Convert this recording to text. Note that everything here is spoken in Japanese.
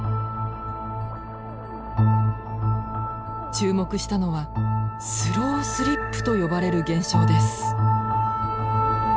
注目したのはスロースリップと呼ばれる現象です。